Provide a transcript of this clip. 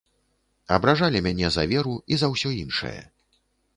Абражалі мяне за веру і за ўсё іншае.